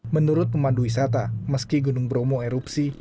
menurut pemandu wisata meski gunung bromo erupsi